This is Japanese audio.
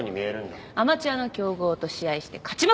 アマチュアの強豪と試合して勝ちまくる。